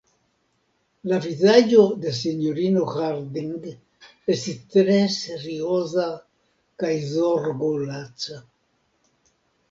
La vizaĝo de sinjorino Harding estis tre serioza kaj zorgolaca.